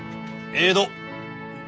江戸？